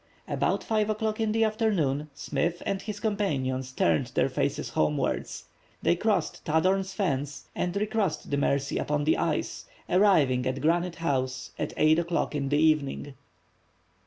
About 5 o'clock in the afternoon Smith and his companions turned their faces homewards. They crossed Tadorn's Fens, and re crossed the Mercy upon the ice, arriving at Granite House at 8 o'clock in the evening.